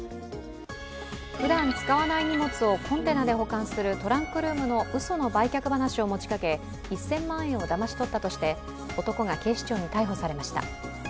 ふだん使わない荷物をコンテナで保管するトランクルームのうその売却話を持ちかけ１０００万円をだまし取ったとして男が警視庁に逮捕されました。